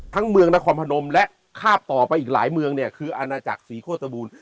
เมืองนครพนมและคาบต่อไปอีกหลายเมืองเนี่ยคืออาณาจักรศรีโฆษบูรณ์